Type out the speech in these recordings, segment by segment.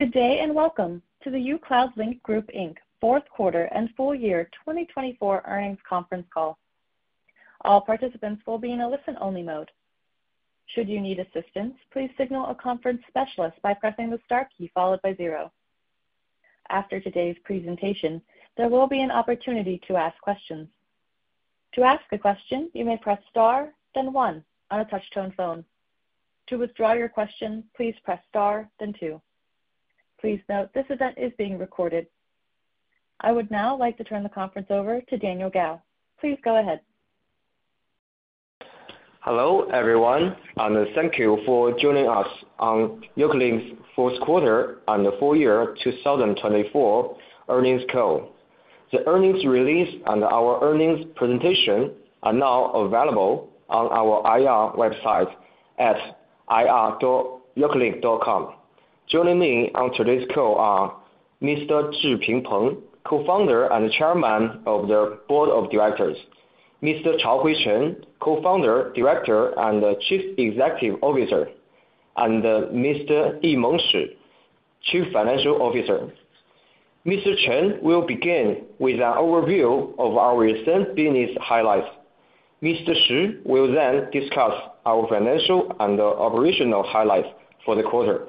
Good day and welcome to the uCloudlink Group Inc. Fourth Quarter and Full Year 2024 Earnings Conference Call. All participants will be in a listen-only mode. Should you need assistance, please signal a conference specialist by pressing the star key followed by zero. After today's presentation, there will be an opportunity to ask questions. To ask a question, you may press star, then one on a touch-tone phone. To withdraw your question, please press star, then two. Please note this event is being recorded. I would now like to turn the conference over to Daniel Gao. Please go ahead. Hello, everyone. Thank you for joining us on uCloudlink's Fourth Quarter and Full Year 2024 Earnings Call. The earnings release and our earnings presentation are now available on our IR website at ir.ucloudlink.com. Joining me on today's call are Mr. Zhiping Peng, Co-founder and Chairman of the Board of Directors; Mr. Chaohui Chen, Co-founder, Director, and Chief Executive Officer; and Mr. Yimeng Shi, Chief Financial Officer. Mr. Chen will begin with an overview of our recent business highlights. Mr. Shi will then discuss our financial and operational highlights for the quarter.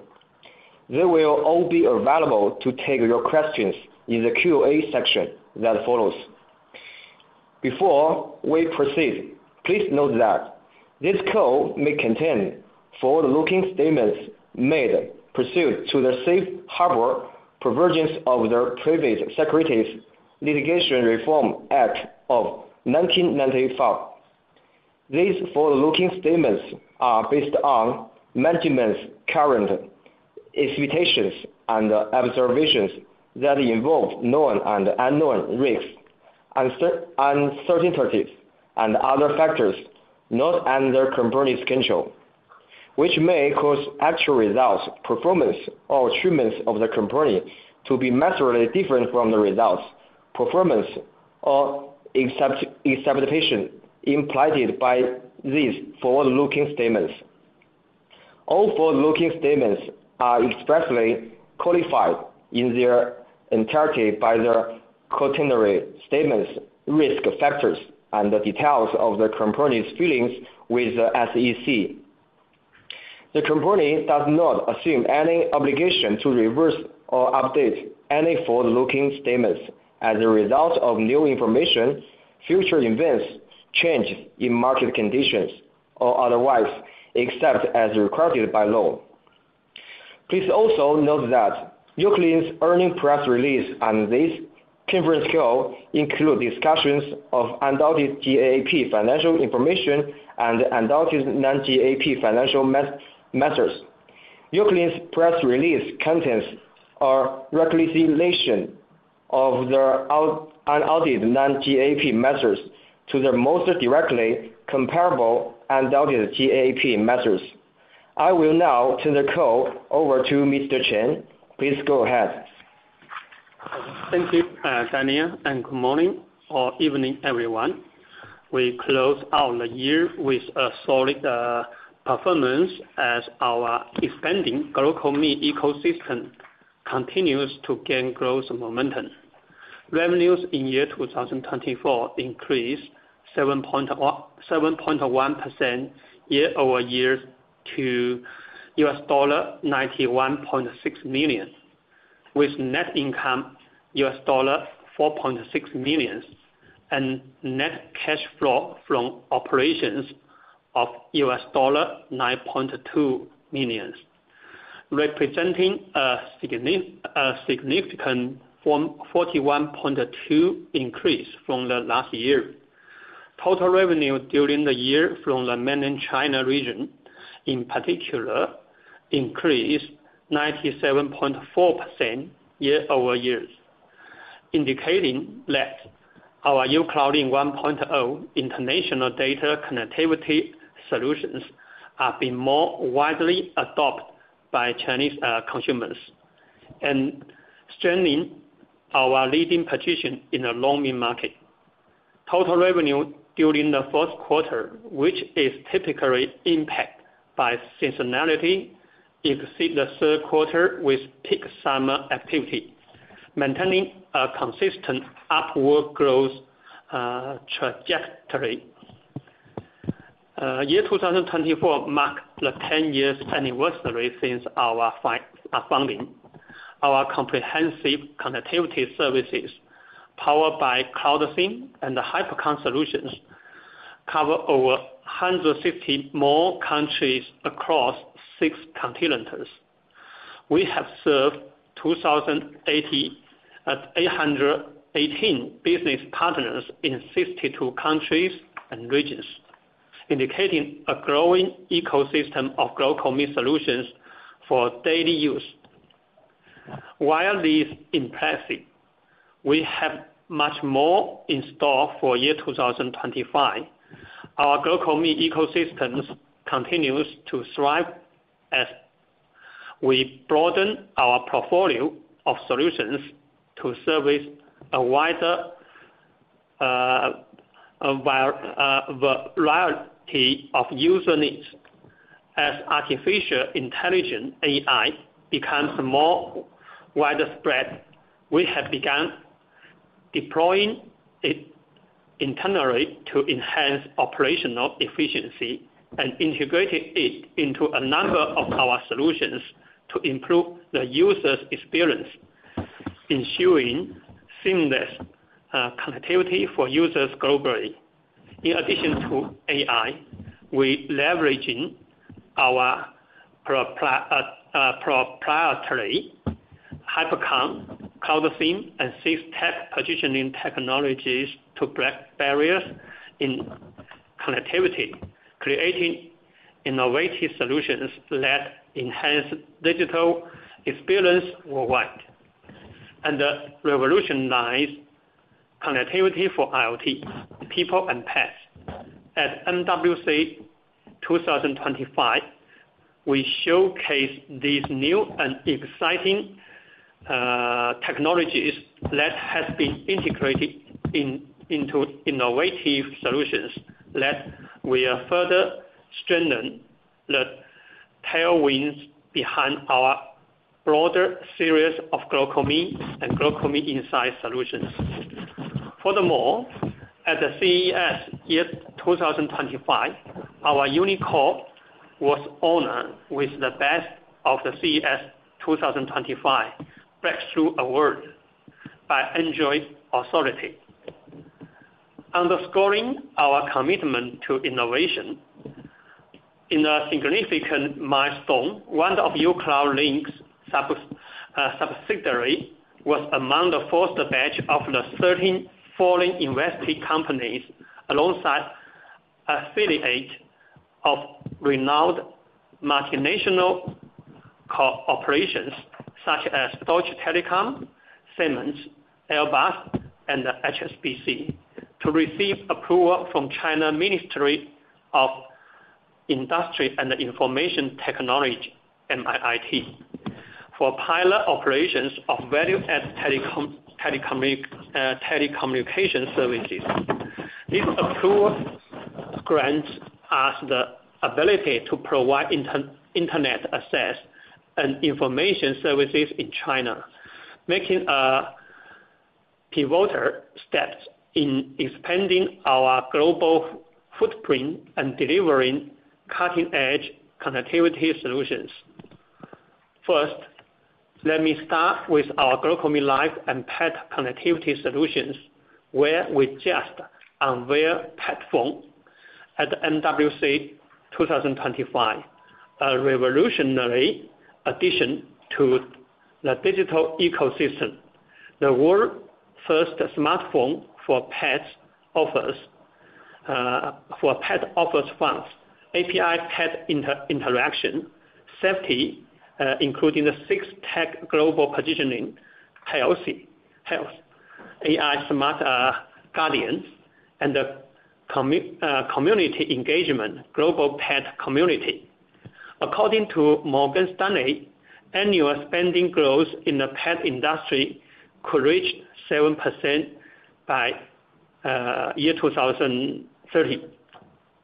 They will all be available to take your questions in the Q&A section that follows. Before we proceed, please note that this call may contain forward-looking statements made pursuant to the safe harbor provision of the Private Securities Litigation Reform Act of 1995. These forward-looking statements are based on management's current expectations and observations that involve known and unknown risks, uncertainties, and other factors not under the company's control, which may cause actual results, performance, or achievements of the company to be massively different from the results, performance, or expectation implied by these forward-looking statements. All forward-looking statements are expressly qualified in their entirety by their cautionary statements, risk factors, and the details of the company's filings with the SEC. The company does not assume any obligation to revise or update any forward-looking statements as a result of new information, future events, changes in market conditions, or otherwise except as required by law. Please also note that uCloudlink's earnings press release and this conference call include discussions of unaudited GAAP financial information and unaudited non-GAAP financial measures. uCloudlink's press release contents are reclassification of the undoubted non-GAAP measures to the most directly comparable undoubted GAAP measures. I will now turn the call over to Mr. Chen. Please go ahead. Thank you, Daniel, and good morning or evening, everyone. We closed out the year with a solid performance as our expanding GlocalMe ecosystem continues to gain growth momentum. Revenues in year 2024 increased 7.1% year-over-year to $91.6 million, with net income $4.6 million and net cash flow from operations of $9.2 million, representing a significant 41.2% increase from the last year. Total revenue during the year from the mainland China region, in particular, increased 97.4% year-over-year, indicating that our uCloudlink 1.0 international data connectivity solutions have been more widely adopted by Chinese consumers and strengthening our leading position in the global MiFi market. Total revenue during the fourth quarter, which is typically impacted by seasonality, exceeded the third quarter with peak summer activity, maintaining a consistent upward growth trajectory. Year 2024 marked the 10-year anniversary since our founding. Our comprehensive connectivity services, powered by Cloud SIM and the HyperConn solutions, cover over 160 countries across six continents. We have served 2,818 business partners in 62 countries and regions, indicating a growing ecosystem of GlocalMe solutions for daily use. While this is impressive, we have much more in store for year 2025. Our GlocalMe ecosystems continue to thrive as we broaden our portfolio of solutions to service a wider variety of user needs. As artificial intelligence (AI) becomes more widespread, we have begun deploying it internally to enhance operational efficiency and integrated it into a number of our solutions to improve the user's experience, ensuring seamless connectivity for users globally. In addition to AI, we are leveraging our proprietary HyperConn, Cloud SIM, and six tech positioning technologies to break barriers in connectivity, creating innovative solutions that enhance digital experience worldwide. The revolution lies in connectivity for IoT, people, and pets. At MWC 2025, we showcased these new and exciting technologies that have been integrated into innovative solutions that will further strengthen the tailwinds behind our broader series of GlocalMe and GlocalMe Inside solutions. Furthermore, at the CES year 2025, our UniCore was honored with the Best of the CES 2025 Breakthrough Award by Android Authority, underscoring our commitment to innovation. In a significant milestone, one of uCloudlink's subsidiaries was among the first batch of the 13 foreign investing companies, alongside affiliates of renowned multinational corporations such as Deutsche Telekom, Siemens, Airbus, and HSBC, to receive approval from the China Ministry of Industry and Information Technology (MIIT) for pilot operations of value-added telecommunication services. This approval grants us the ability to provide internet access and information services in China, making pivotal steps in expanding our global footprint and delivering cutting-edge connectivity solutions. First, let me start with our GlocalMe life and pet connectivity solutions, where we just unveiled PetPhone at MWC 2025, a revolutionary addition to the digital ecosystem. The world's first smartphone for pets offers funds, API pet interaction, safety, including the six tech global positioning, health, AI smart guardians, and community engagement, global pet community. According to Morgan Stanley, annual spending growth in the pet industry could reach 7% by year 2030,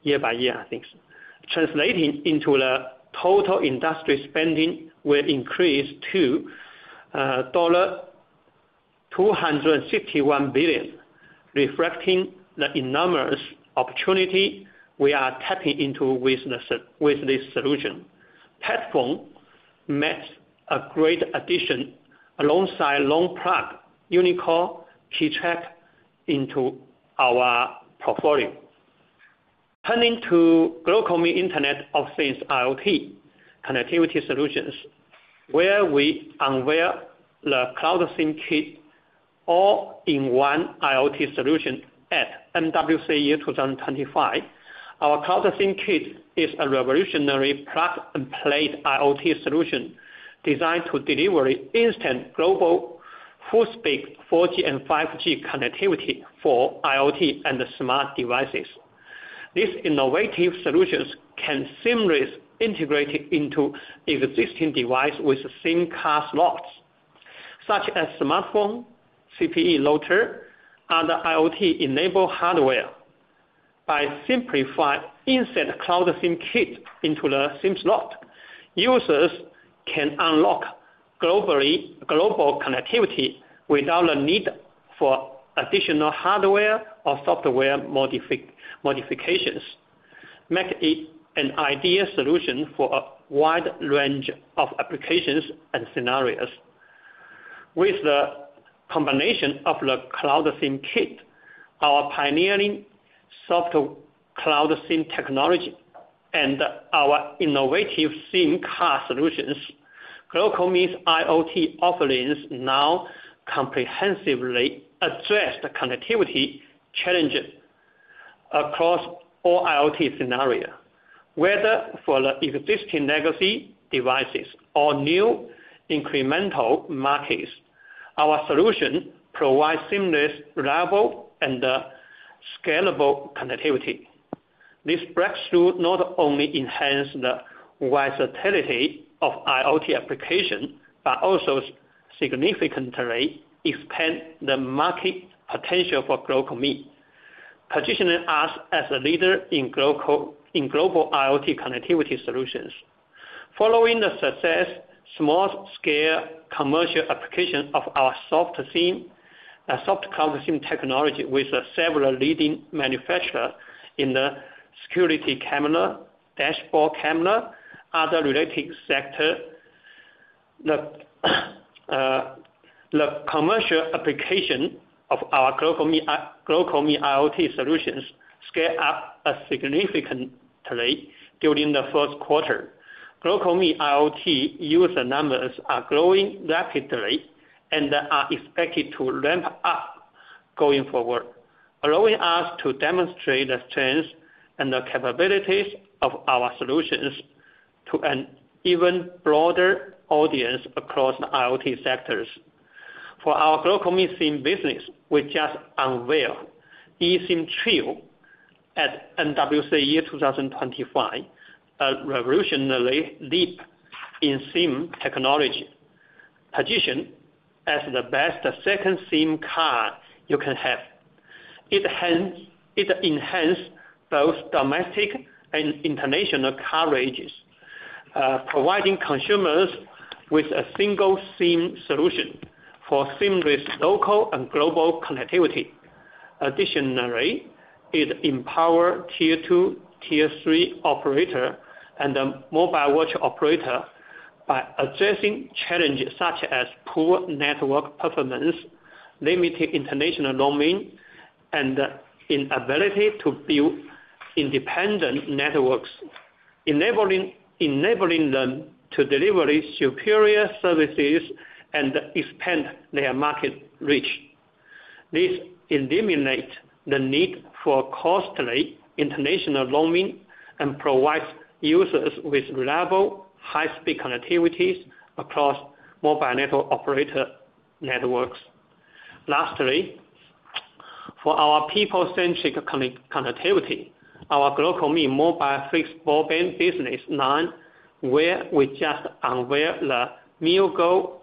year-by-year, I think, translating into the total industry spending will increase to $261 billion, reflecting the enormous opportunity we are tapping into with this solution. PetPhone makes a great addition alongside long-plugged UniCore key track into our portfolio. Turning to GlocalMe Internet of Things IoT connectivity solutions, where we unveil the Cloud SIM Kit all-in-one IoT solution at MWC year 2025, our Cloud SIM Kit is a revolutionary plug-and-play IoT solution designed to deliver instant global full-spec 4G and 5G connectivity for IoT and smart devices. These innovative solutions can seamlessly integrate into existing devices with SIM card slots, such as smartphone, CPE router, and IoT-enabled hardware. By simplifying inside the Cloud SIM Kit into the SIM slot, users can unlock global connectivity without the need for additional hardware or software modifications, making it an ideal solution for a wide range of applications and scenarios. With the combination of the Cloud SIM Kit, our pioneering software Cloud SIM technology, and our innovative SIM card solutions, GlocalMe IoT offerings now comprehensively address the connectivity challenges across all IoT scenarios, whether for the existing legacy devices or new incremental markets. Our solution provides seamless, reliable, and scalable connectivity. This breakthrough not only enhances the versatility of IoT applications but also significantly expands the market potential for GlocalMe, positioning us as a leader in global IoT connectivity solutions. Following the success of small-scale commercial applications of our soft Cloud SIM technology with several leading manufacturers in the security camera, dashboard camera, and other related sectors, the commercial application of our GlocalMe IoT solutions scaled up significantly during the first quarter. GlocalMe IoT user numbers are growing rapidly and are expected to ramp up going forward, allowing us to demonstrate the strength and the capabilities of our solutions to an even broader audience across the IoT sectors. For our GlocalMe SIM business, we just unveiled eSIM Trio at MWC year 2025, a revolutionary leap in SIM technology, positioned as the best second SIM card you can have. It enhances both domestic and international coverages, providing consumers with a single SIM solution for seamless local and global connectivity. Additionally, it empowers tier-two, tier-three operators and mobile virtual operators by addressing challenges such as poor network performance, limited international roaming, and the inability to build independent networks, enabling them to deliver superior services and expand their market reach. This eliminates the need for costly international roaming and provides users with reliable, high-speed connectivity across mobile network operator networks. Lastly, for our people-centric connectivity, our GlocalMe mobile fixed broadband business line, where we just unveiled the MeowGo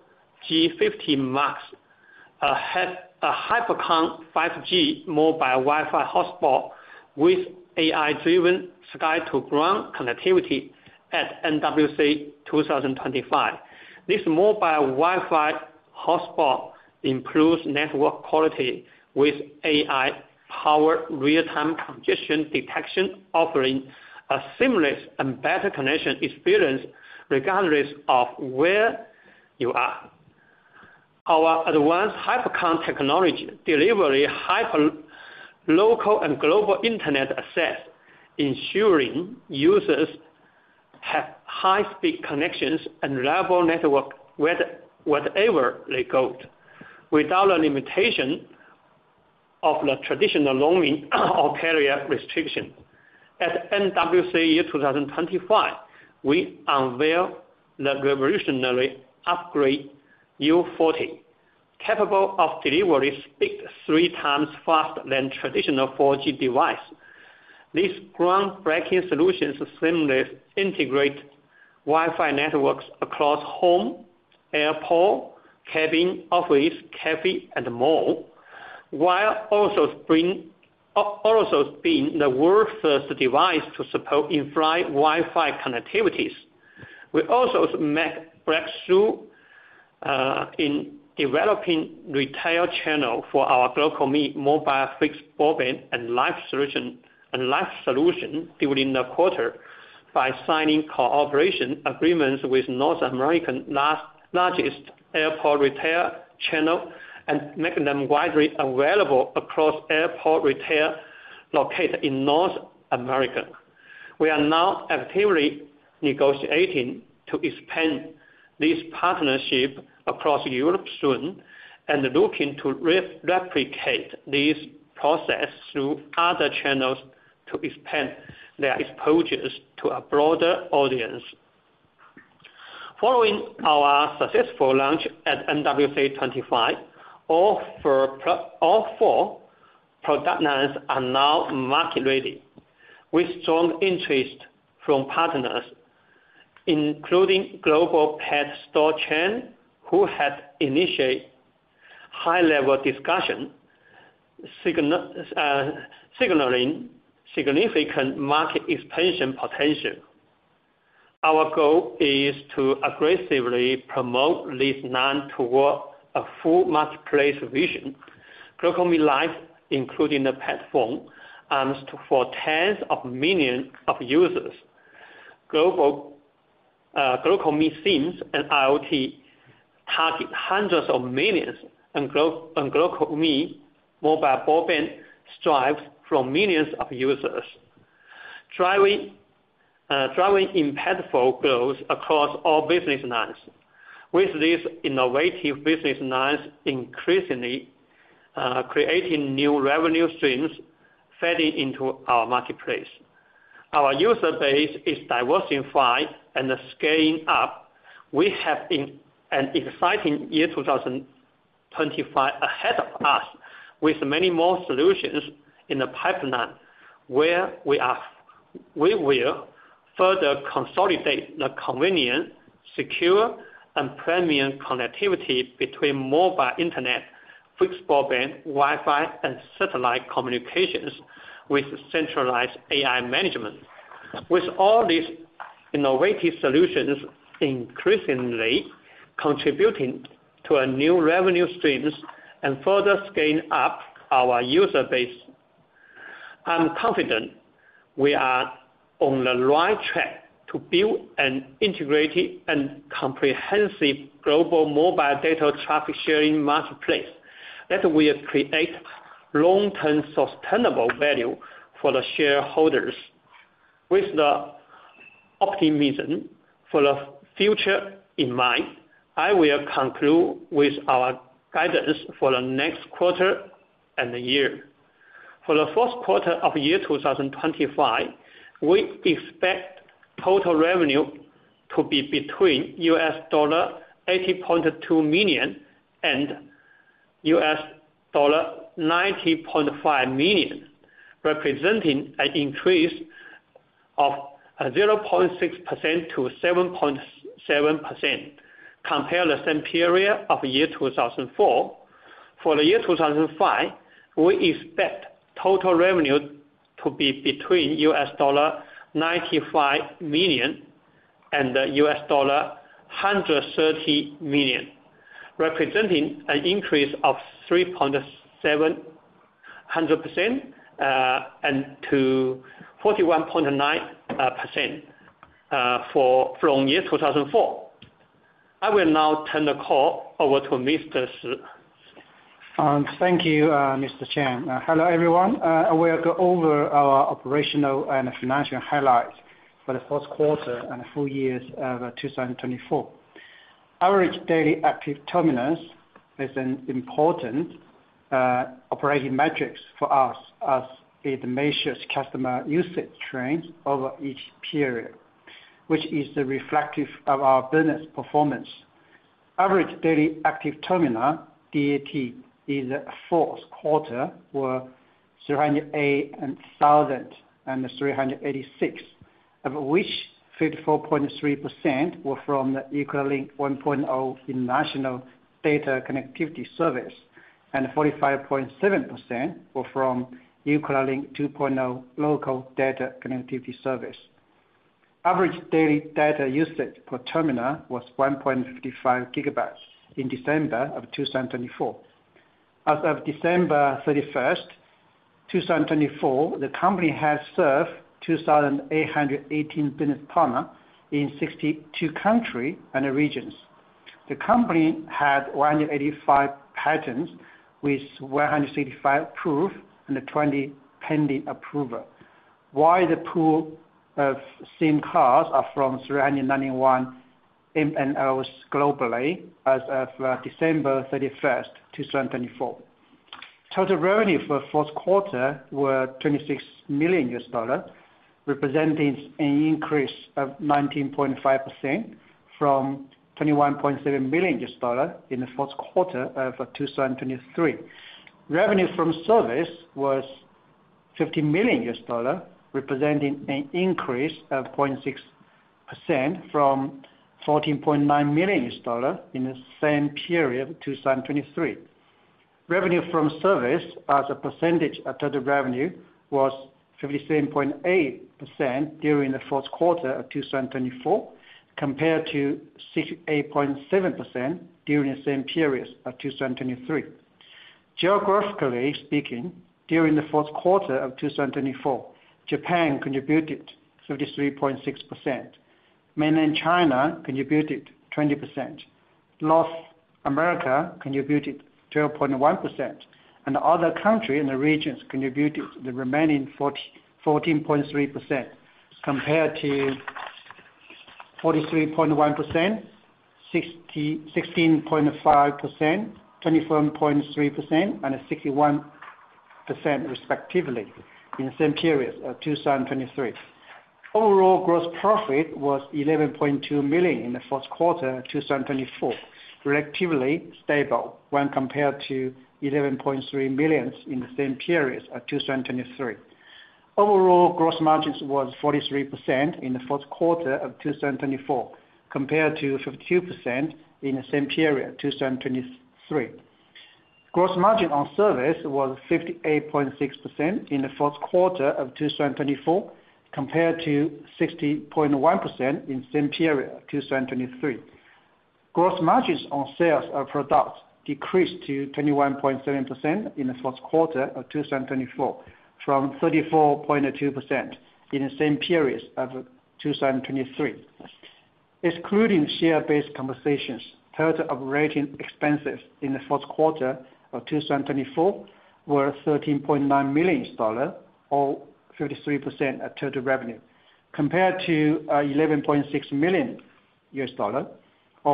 G50 Max, a HyperConn 5G mobile Wi-Fi hotspot with AI-driven sky-to-ground connectivity at MWC 2025. This mobile Wi-Fi hotspot improves network quality with AI-powered real-time transition detection, offering a seamless and better connection experience regardless of where you are. Our advanced HyperConn technology delivers local and global internet access, ensuring users have high-speed connections and reliable networks wherever they go, without the limitation of the traditional GlocalMe or carrier restrictions. At MWC year 2025, we unveiled the revolutionary Upgrade U40, capable of delivering speed three times faster than traditional 4G devices. These groundbreaking solutions seamlessly integrate Wi-Fi networks across home, airport, cabin, office, café, and more, while also being the world's first device to support in-flight Wi-Fi connectivities. We also made breakthroughs in developing retail channels for our GlocalMe mobile fixed broadband and Life solution during the quarter by signing cooperation agreements with North America's largest airport retail channel and making them widely available across airport retail located in North America. We are now actively negotiating to expand this partnership across Europe soon and looking to replicate this process through other channels to expand their exposures to a broader audience. Following our successful launch at MWC 2025, all four product lines are now market-ready. We strongly interest from partners, including global pet store chain, who have initiated high-level discussions signaling significant market expansion potential. Our goal is to aggressively promote these lines toward a full marketplace vision. GlocalMe Life, including the PetPhone, aims for tens of millions of users. GlocalMe SIMs and IoT target hundreds of millions, and GlocalMe mobile broadband strives for millions of users, driving impactful growth across all business lines. With these innovative business lines increasingly creating new revenue streams fading into our marketplace, our user base is diversifying and scaling up. We have an exciting year 2025 ahead of us with many more solutions in the pipeline, where we will further consolidate the convenient, secure, and premium connectivity between mobile internet, fixed broadband, Wi-Fi, and satellite communications with centralized AI management. With all these innovative solutions increasingly contributing to new revenue streams and further scaling up our user base, I'm confident we are on the right track to build an integrated and comprehensive global mobile data traffic sharing marketplace that will create long-term sustainable value for the shareholders. With the optimism for the future in mind, I will conclude with our guidance for the next quarter and the year. For the first quarter of year 2025, we expect total revenue to be between $80.2 million and $90.5 million, representing an increase of 0.6%-7.7% compared to the same period of year 2024. For the year 2025, we expect total revenue to be between $95 million and $130 million, representing an increase of 3.7%-41.9% from year 2024. I will now turn the call over to Mr. Shi. Thank you, Mr. Chen. Hello, everyone. We'll go over our operational and financial highlights for the first quarter and full year of 2024. Average daily active terminals is an important operating metric for us as it measures customer usage trends over each period, which is reflective of our business performance. Average Daily Active Terminal (DAT) in fourth quarter were 308,386, of which 54.3% were from uCloudlink 1.0 international data connectivity service, and 45.7% were from uCloudlink 2.0 local data connectivity service. Average daily data usage per terminal was 1.55 GB in December of 2024. As of December 31st, 2024, the company has served 2,818 business partners in 62 countries and regions. The company had 185 patents with 165 proof and 20 pending approval, while the pool of SIM cards are from 391 MNOs globally as of December 31st, 2024. Total revenue for the first quarter were $26 million, representing an increase of 19.5% from $21.7 million in the first quarter of 2023. Revenue from service was $15 million, representing an increase of 0.6% from $14.9 million in the same period of 2023. Revenue from service as a percentage of total revenue was 57.8% during the first quarter of 2024, compared to 68.7% during the same period of 2023. Geographically speaking, during the first quarter of 2024, Japan contributed 53.6%, mainland China contributed 20%, North America contributed 12.1%, and other countries and regions contributed the remaining 14.3%, compared to 43.1%, 16.5%, 21.3%, and 19.1% respectively in the same period of 2023. Overall gross profit was $11.2 million in the first quarter of 2024, relatively stable when compared to $11.3 million in the same period of 2023. Overall gross margins were 43% in the first quarter of 2024, compared to 52% in the same period of 2023. Gross margin on service was 58.6% in the first quarter of 2024, compared to 60.1% in the same period of 2023. Gross margins on sales of products decreased to 21.7% in the first quarter of 2024 from 34.2% in the same period of 2023. Excluding share-based compensations, total operating expenses in the first quarter of 2024 were $13.9 million, or 53% of total revenue, compared to $11.6 million, or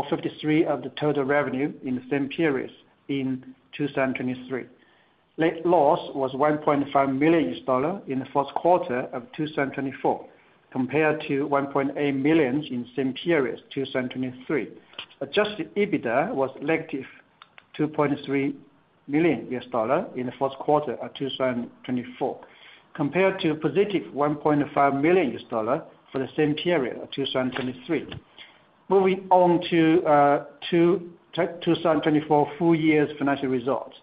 53% of the total revenue in the same period in 2023. Net loss was $1.5 million in the first quarter of 2024, compared to $1.8 million in the same period of 2023. Adjusted EBITDA was negative $2.3 million in the first quarter of 2024, compared to positive $1.5 million for the same period of 2023. Moving on to 2024 full year's financial results.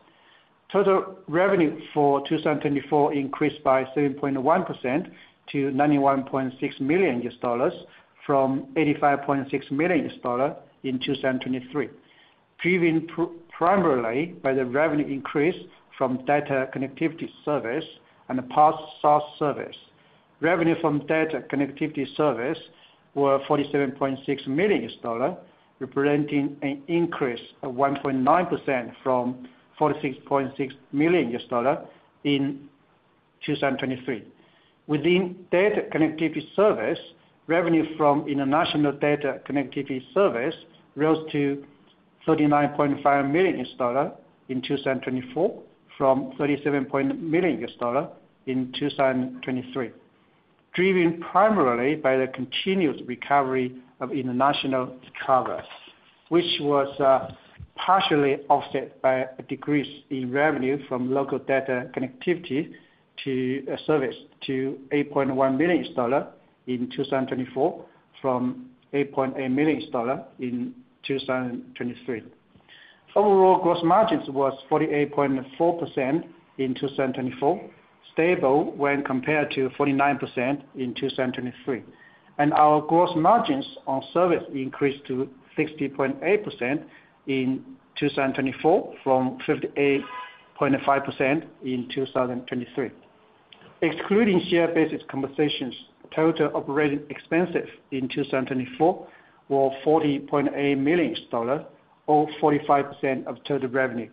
Total revenue for 2024 increased by 7.1% to $91.6 million from $85.6 million in 2023, driven primarily by the revenue increase from data connectivity service and the PaaS and SaaS service. Revenue from data connectivity service was $47.6 million, representing an increase of 1.9% from $46.6 million in 2023. Within data connectivity service, revenue from international data connectivity service rose to $39.5 million in 2024 from $37.8 million in 2023, driven primarily by the continuous recovery of international travel, which was partially offset by a decrease in revenue from local data connectivity service to $8.1 million in 2024 from $8.8 million in 2023. Overall gross margins were 48.4% in 2024, stable when compared to 49% in 2023. Our gross margins on service increased to 60.8% in 2024 from 58.5% in 2023. Excluding share-based compensations, total operating expenses in 2024 were $40.8 million, or 45% of total revenue,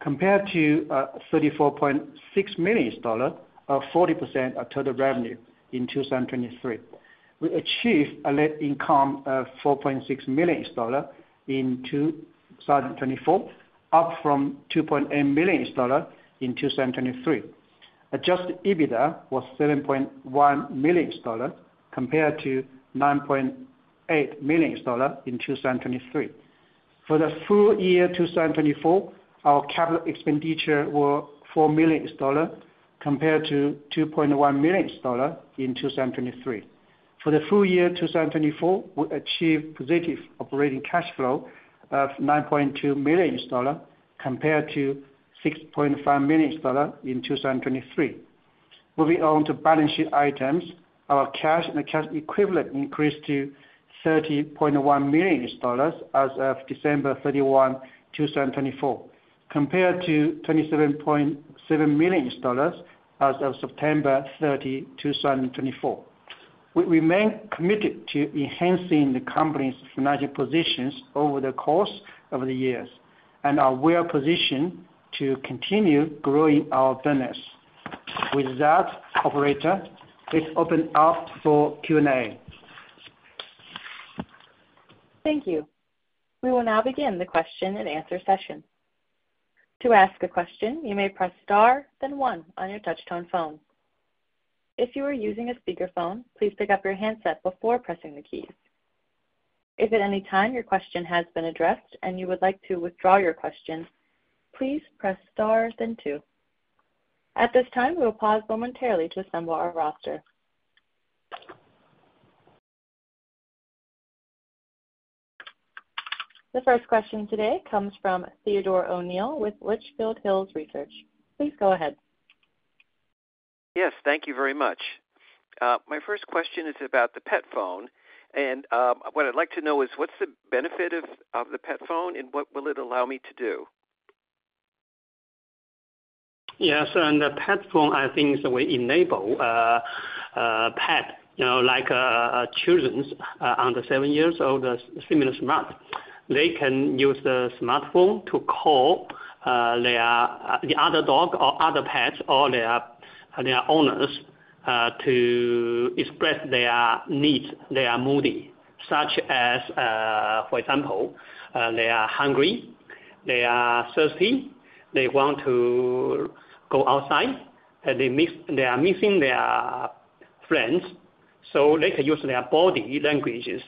compared to $34.6 million, or 40% of total revenue in 2023. We achieved a net income of $4.6 million in 2024, up from $2.8 million in 2023. Adjusted EBITDA was $7.1 million, compared to $9.8 million in 2023. For the full year 2024, our capital expenditure was $4 million, compared to $2.1 million in 2023. For the full year 2024, we achieved positive operating cash flow of $9.2 million, compared to $6.5 million in 2023. Moving on to balance sheet items, our cash and cash equivalent increased to $30.1 million as of December 31, 2024, compared to $27.7 million as of September 30, 2024. We remain committed to enhancing the company's financial positions over the course of the years and are well-positioned to continue growing our business. With that, operator, please open up for Q&A. Thank you. We will now begin the question and answer session. To ask a question, you may press star, then one on your touch-tone phone. If you are using a speakerphone, please pick up your handset before pressing the keys. If at any time your question has been addressed and you would like to withdraw your question, please press star, then two. At this time, we will pause momentarily to assemble our roster. The first question today comes from Theodore O'Neill with Litchfield Hills Research. Please go ahead. Yes, thank you very much. My first question is about the PetPhone. What I'd like to know is, what's the benefit of the PetPhone and what will it allow me to do? Yes. On the PetPhone, I think we enable pets, like children under seven years old, similar smart. They can use the smartphone to call their other dog or other pets or their owners to express their needs, their moody, such as, for example, they are hungry, they are thirsty, they want to go outside, and they are missing their friends. They can use their body languages.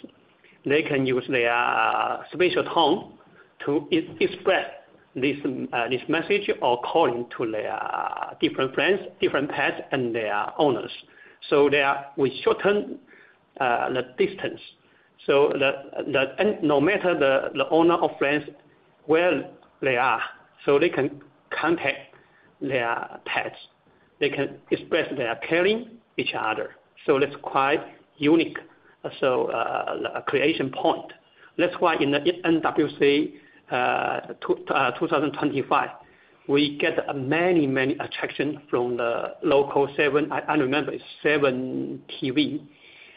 They can use their spatial tone to express this message or calling to their different friends, different pets, and their owners. They are with shortened distance. No matter the owner or friends, where they are, they can contact their pets. They can express their caring for each other. That's quite unique, a creation point. That's why in the MWC 2025, we get many, many attractions from the local seven, I remember, seven TV,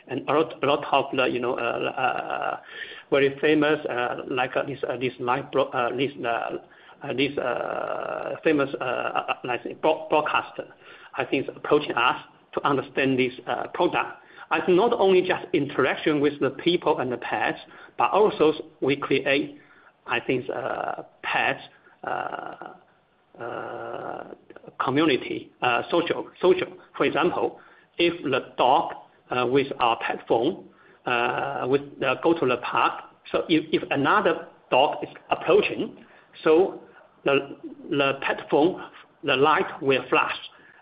and a lot of the very famous, like this famous broadcaster, I think, is approaching us to understand this product. It's not only just interaction with the people and the pets, but also we create, I think, a pet community, social. For example, if the dog with our PetPhone goes to the park, if another dog is approaching, the PetPhone, the light will flash,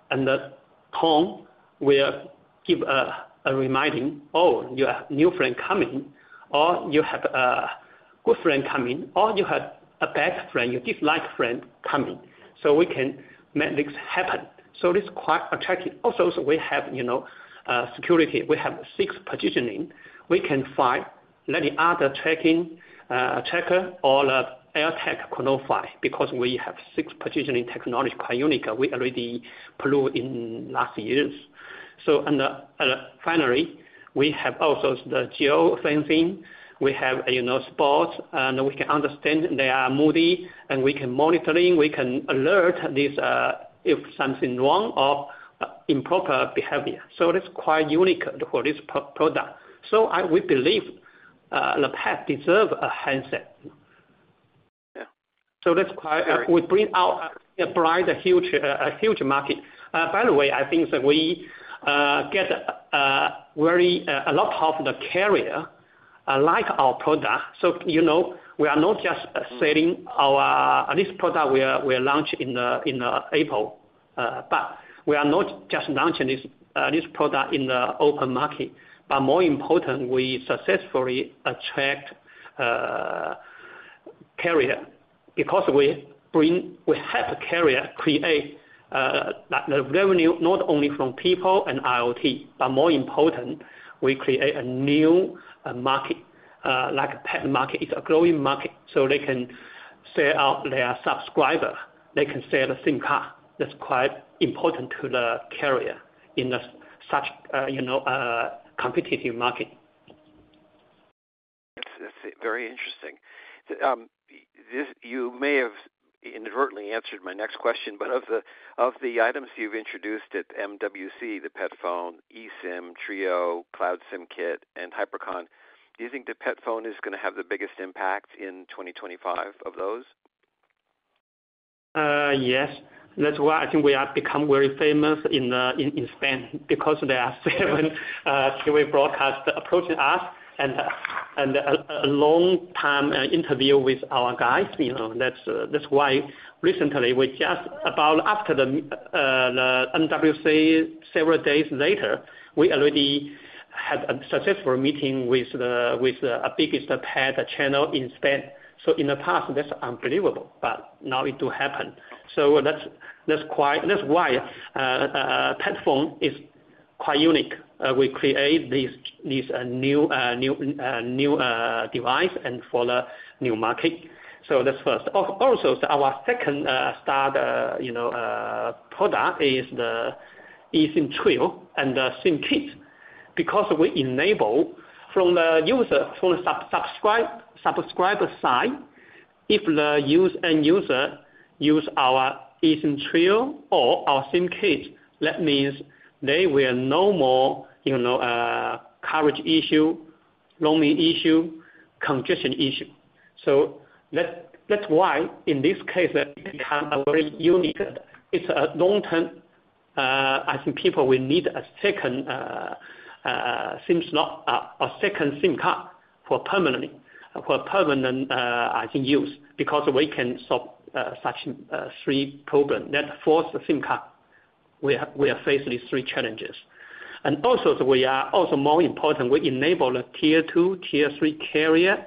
and the tone will give a reminding, "Oh, you have a new friend coming," or "You have a good friend coming," or "You have a bad friend, your disliked friend coming." We can make this happen. This is quite attractive. Also, we have security. We have six positioning. We can find any other tracking tracker or AirTag can notify because we have six positioning technology, quite unique. We already proved in last years. Finally, we have also the geofencing. We have spots, and we can understand their moody, and we can monitor. We can alert this if something's wrong or improper behavior. That's quite unique for this product. We believe the pet deserves a handset. That's quite a bright, huge market. By the way, I think that we get a lot of the carrier like our product. We are not just selling our this product we launched in April, but we are not just launching this product in the open market. More important, we successfully attract carrier because we help carrier create revenue not only from people and IoT, but more important, we create a new market, like pet market. It's a growing market. They can sell out their subscriber. They can sell a SIM card. That's quite important to the carrier in such a competitive market. That's very interesting. You may have inadvertently answered my next question, but of the items you've introduced at MWC, the PetPhone, eSIM Trio, Cloud SIM Kit, and HyperConn, do you think the PetPhone is going to have the biggest impact in 2025 of those? Yes. That's why I think we have become very famous in Spain because there are seven TV broadcasts approaching us and a long-time interview with our guys. That's why recently, just about after the MWC, several days later, we already had a successful meeting with the biggest pet channel in Spain. In the past, that's unbelievable, but now it does happen. That's why PetPhone is quite unique. We create this new device for the new market. That's first. Also, our second starter product is the eSIM Trio and the SIM Kit because we enable from the subscriber side, if the end user uses our eSIM Trio or our SIM Kit, that means there will be no more carriage issue, roaming issue, congestion issue. In this case, it becomes very unique. It's a long-term, I think people will need a second SIM slot, a second SIM card for permanent use, because we can solve such three problems that force the SIM card. We are faced with these three challenges. Also, we are more important. We enable tier two, tier three carrier.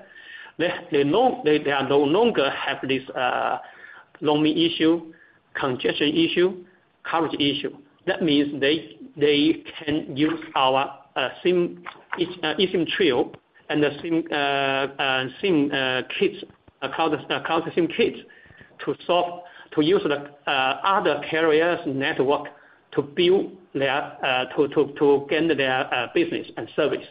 They no longer have this roaming issue, congestion issue, carriage issue. That means they can use our eSIM Trio and the SIM Kit, CloudSIM Kit, to use other carriers' network to build their business and service.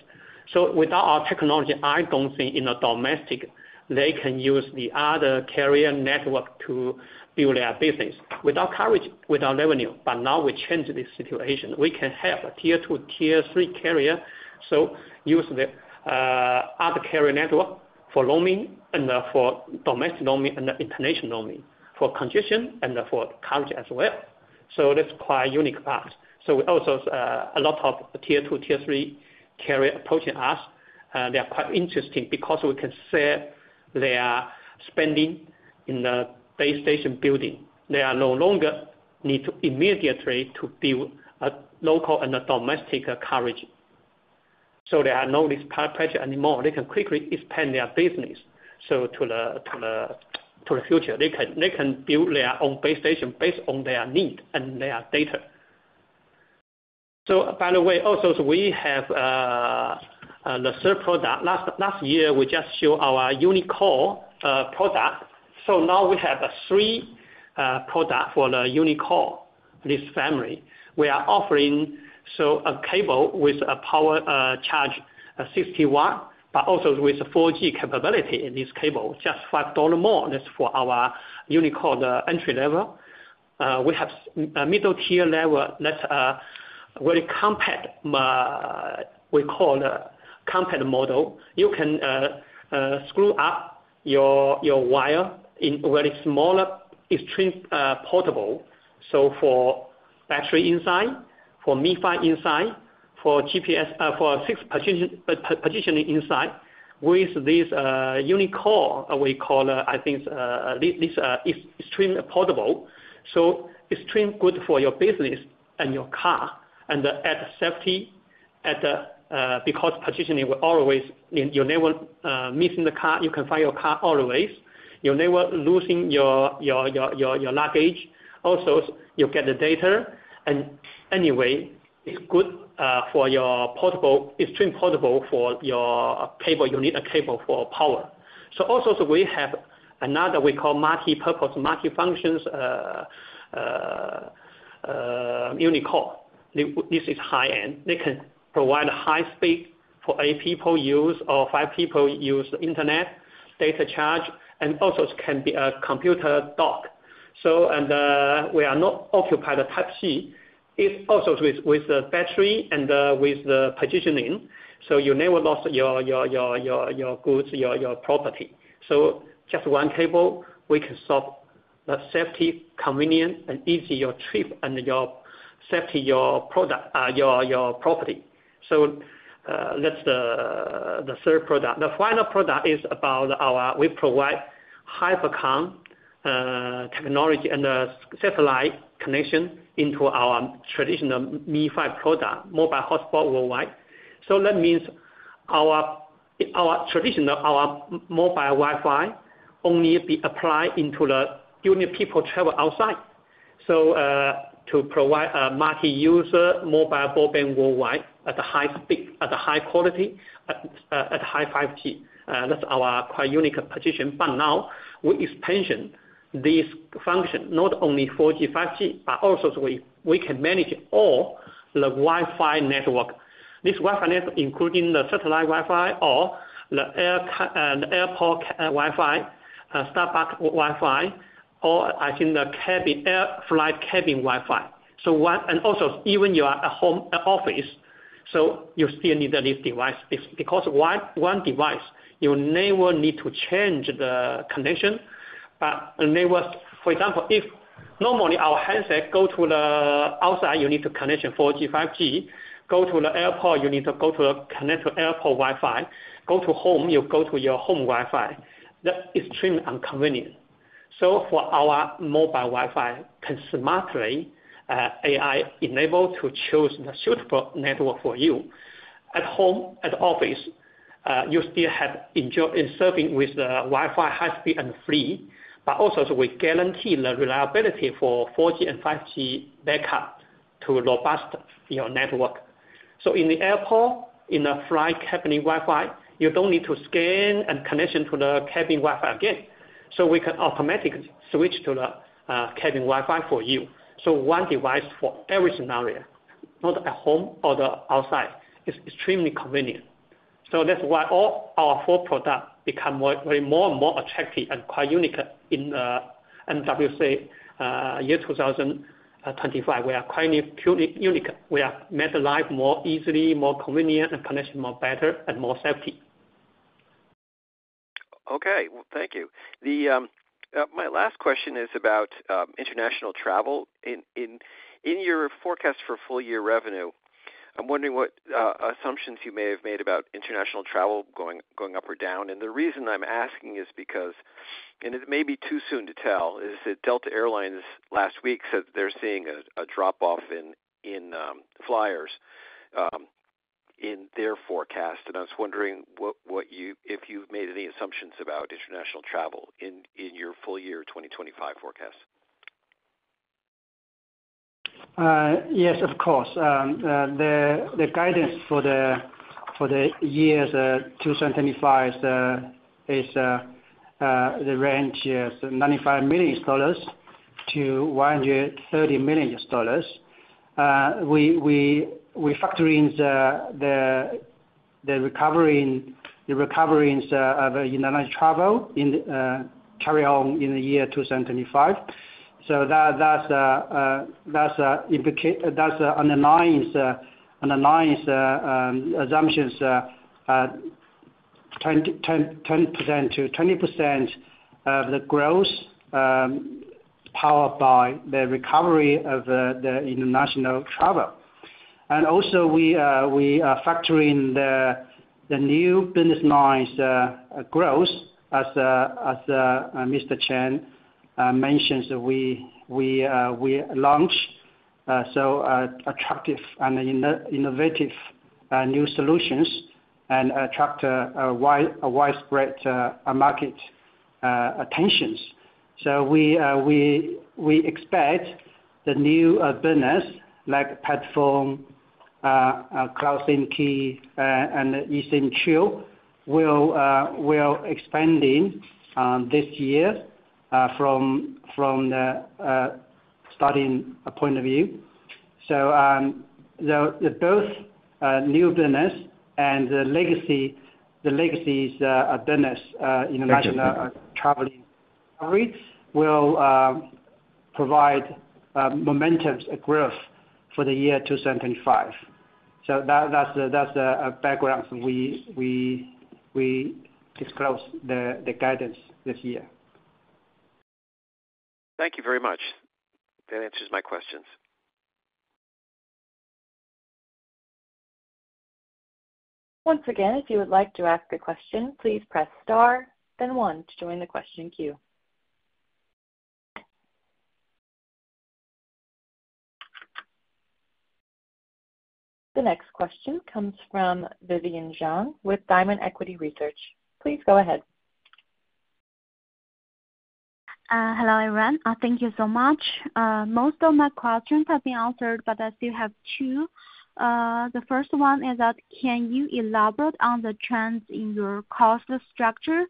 Without our technology, I don't think in the domestic, they can use the other carrier network to build their business without carriage, without revenue. Now we changed this situation. We can have a tier two, tier three carrier, so use the other carrier network for roaming and for domestic roaming and international roaming, for congestion and for carriage as well. That's quite a unique part. We also have a lot of tier two, tier three carrier approaching us. They are quite interesting because we can save their spending in the base station building. They no longer need to immediately build a local and a domestic carriage. They have no dispatch anymore. They can quickly expand their business to the future. They can build their own base station based on their needs and their data. By the way, also, we have the third product. Last year, we just showed our UniCore product. Now we have three products for the UniCore, this family. We are offering a cable with a power charge of 60 W, but also with 4G capability in this cable, just $5 more. That's for our UniCore entry level. We have a middle-tier level, that's a very compact, we call a compact model. You can screw up your wire in a very small, extremely portable. For battery inside, for Wi-Fi inside, for positioning inside, with this UniCore, we call, I think, this is extremely portable. Extremely good for your business and your car and add safety because positioning will always you're never missing the car. You can find your car always. You're never losing your luggage. Also, you get the data. Anyway, it's good for your portable, extremely portable for your cable. You need a cable for power. We have another we call multipurpose, multifunctions UniCore. This is high-end. They can provide high speed for eight people use or five people use the internet data charge. It can be a computer dock. We are not occupied with Type-C. It is also with the battery and with the positioning. You never lose your goods, your property. Just one cable, we can solve the safety, convenience, and easy your trip and your safety, your property. That is the third product. The final product is about our we provide HyperConn technology and satellite connection into our traditional MiFi product, mobile hotspot worldwide. That means our traditional, our mobile Wi-Fi only be applied into the. You need people travel outside. To provide a multi-user mobile broadband worldwide at a high speed, at a high quality, at high 5G. That is our quite unique position. Now we expand this function, not only 4G, 5G, but also we can manage all the Wi-Fi network. This Wi-Fi network, including the satellite Wi-Fi or the airport Wi-Fi, Starbucks Wi-Fi, or I think the flight cabin Wi-Fi. Also, even you are at home, at office, you still need this device because one device, you never need to change the connection. For example, if normally our handset go to the outside, you need to connect to 4G, 5G. Go to the airport, you need to connect to airport Wi-Fi. Go to home, you go to your home Wi-Fi. That's extremely inconvenient. For our mobile Wi-Fi, can smartly AI enable to choose the suitable network for you. At home, at office, you still have serving with Wi-Fi high speed and free. Also, we guarantee the reliability for 4G and 5G backup to robust your network. In the airport, in the flight cabin Wi-Fi, you don't need to scan and connect to the cabin Wi-Fi again. We can automatically switch to the cabin Wi-Fi for you. One device for every scenario, not at home or the outside. It's extremely convenient. That's why all our four products become more and more attractive and quite unique in MWC year 2025. We are quite unique. We have made life more easily, more convenient, and connection more better and more safety. Okay. Thank you. My last question is about international travel. In your forecast for full-year revenue, I'm wondering what assumptions you may have made about international travel going up or down. The reason I'm asking is because, and it may be too soon to tell, is that Delta Airlines last week said they're seeing a drop-off in flyers in their forecast. I was wondering if you've made any assumptions about international travel in your full-year 2025 forecast. Yes, of course. The guidance for the year 2025 is the range is $95 million-$130 million. We factor in the recovery of international travel in carry-on in the year 2025. That's an underlying assumption, 10%-20% of the growth powered by the recovery of the international travel. We also factor in the new business lines growth. As Mr. Chen mentioned, we launch so attractive and innovative new solutions and attract a widespread market attention. We expect the new business like PetPhone, CloudSIM Kit, and eSIM Trio will expand this year from the starting point of view. Both new business and the legacy business, international traveling, will provide momentum growth for the year 2025. That's the background. We disclose the guidance this year. Thank you very much. That answers my questions. Once again, if you would like to ask a question, please press star, then one to join the question queue. The next question comes from Vivian Zhang with Diamond Equity Research. Please go ahead. Hello, everyone. Thank you so much. Most of my questions have been answered, but I still have two. The first one is that, can you elaborate on the trends in your cost structure?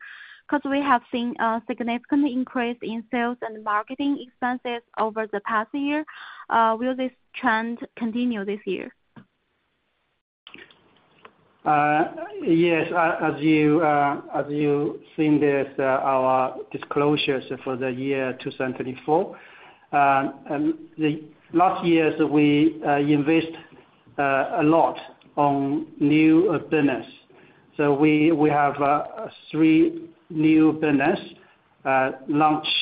Because we have seen a significant increase in sales and marketing expenses over the past year. Will this trend continue this year? Yes. As you've seen this, our disclosures for the year 2024. Last year, we invested a lot on new business. So we have three new businesses launched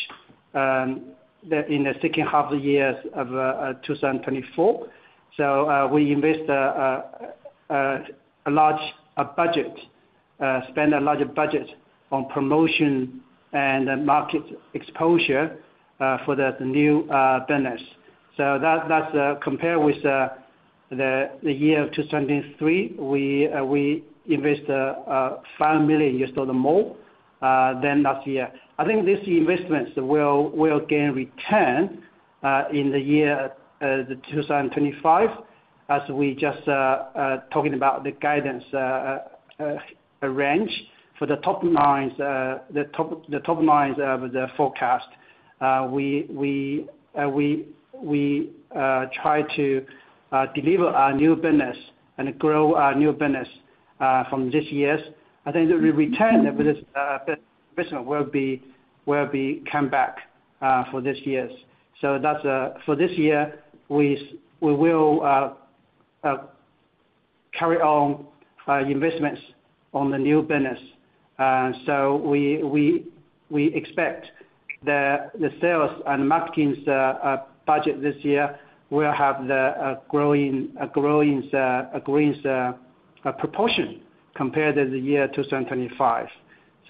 in the second half of the year of 2024. We invested a large budget, spent a large budget on promotion and market exposure for the new businesses. That's compared with the year 2023. We invested $5 million more than last year. I think this investment will gain return in the year 2025, as we just talked about the guidance range for the top lines of the forecast. We try to deliver our new business and grow our new business from this year. I think the return of this business will come back for this year. For this year, we will carry on investments on the new business. We expect the sales and marketing budget this year will have a growing proportion compared to the year 2025.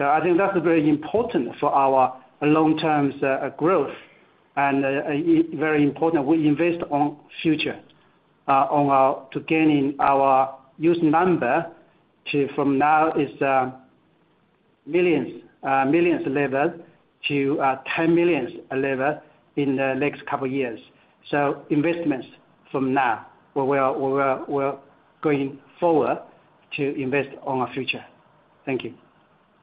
I think that's very important for our long-term growth and very important. We invest on future to gaining our user number from now is millions level to 10 million level in the next couple of years. Investments from now will going forward to invest on our future. Thank you.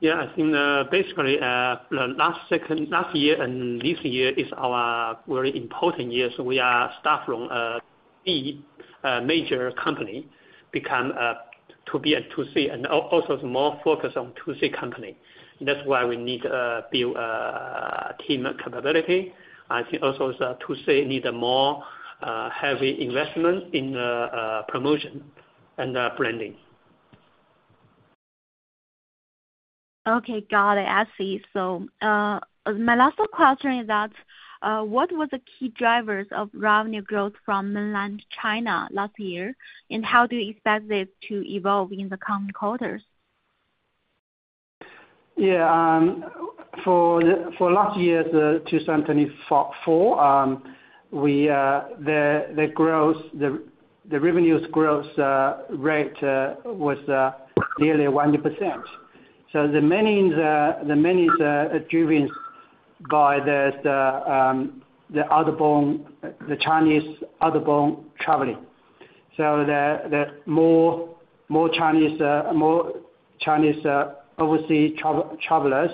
Yeah. I think basically last year and this year is our very important year. We are start from a major company to be a 2C and also more focus on 2C company. That's why we need to build team capability. I think also 2C need more heavy investment in promotion and branding. Okay. Got it. I see. My last question is that, what were the key drivers of revenue growth from mainland China last year? How do you expect this to evolve in the coming quarters? Yeah. For last year, 2024, the revenue growth rate was nearly 1%. The main is driven by the Chinese outbound traveling. More Chinese overseas travelers,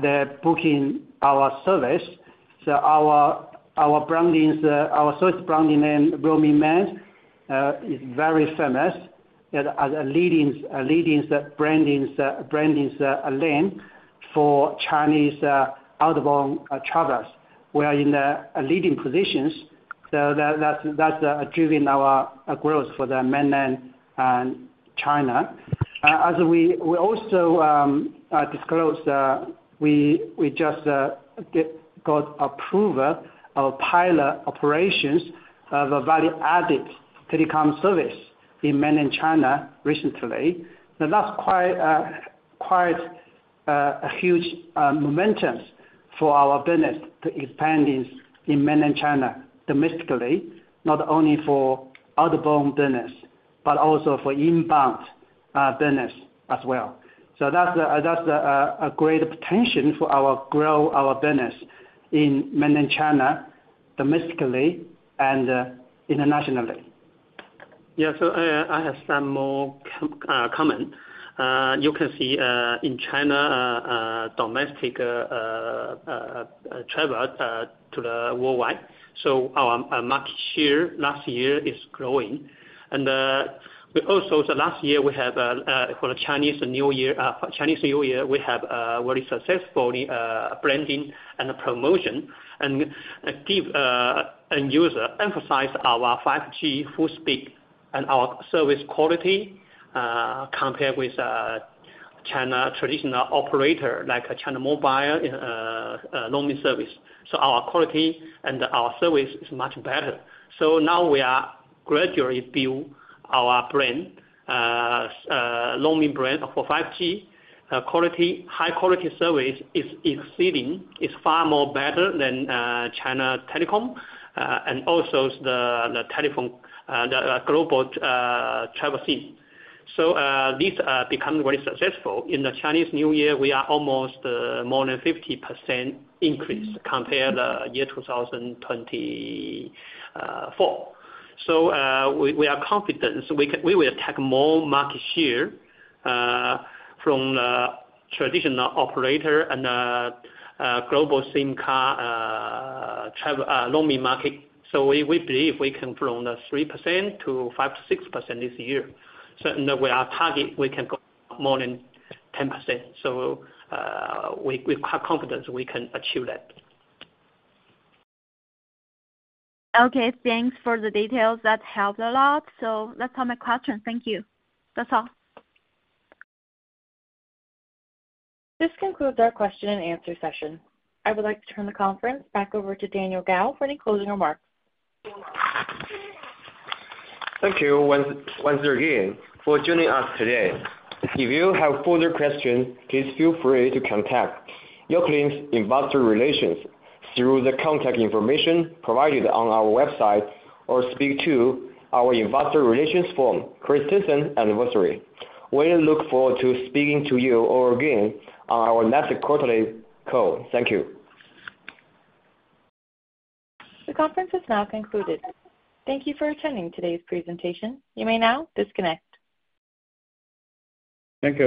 they're booking our service. Our service branding name, Roamingman, is very famous as a leading branding name for Chinese outbound travelers. We are in the leading positions. That has driven our growth for the mainland and China. As we also disclosed, we just got approval of pilot operations of a value-added telecom service in mainland China recently. That is quite a huge momentum for our business to expand in mainland China domestically, not only for outbound business, but also for inbound business as well. That is a great potential for our growth, our business in mainland China domestically and internationally. Yeah. I have some more comment. You can see in China, domestic travel to the worldwide. Our market share last year is growing. Last year, for the Chinese New Year, we had very successful branding and promotion and gave end users emphasis on our 5G full speed and our service quality compared with China traditional operators like China Mobile and roaming service. Our quality and our service is much better. Now we are gradually building our brand, roaming brand for 5G quality. High-quality service is exceeding. It is far more better than China Telecom and also the telephone, the global travel scene. This becomes very successful. In the Chinese New Year, we are almost more than 50% increase compared to the year 2024. We are confident we will attack more market share from the traditional operator and the global SIM card travel roaming market. We believe we can from 3% to 5-6% this year. We are target we can go more than 10%. We are quite confident we can achieve that. Okay. Thanks for the details. That helped a lot. That is all my questions. Thank you. That is all. This concludes our question and answer session. I would like to turn the conference back over to Daniel Gao for any closing remarks. Thank you, once again, for joining us today. If you have further questions, please feel free to contact uCloudlink investor relations through the contact information provided on our website or speak to our investor relations firm, Christensen Advisory. We look forward to speaking to you again on our next quarterly call. Thank you. The conference has now concluded. Thank you for attending today's presentation. You may now disconnect. Thank you.